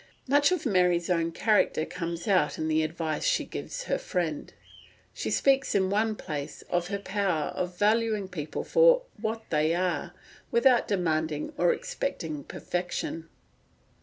Much of Mary's own character comes out in the advice she gives her friend. She speaks in one place of her power of valuing people for what they are, without demanding or expecting perfection.